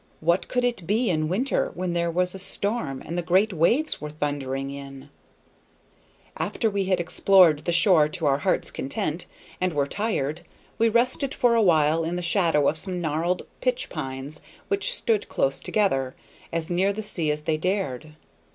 What could it be in winter when there was a storm and the great waves came thundering in? After we had explored the shore to our hearts' content and were tired, we rested for a while in the shadow of some gnarled pitch pines which stood close together, as near the sea as they dared.